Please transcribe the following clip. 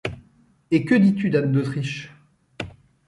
Et que dis-tu d’Anne d’Autriche ?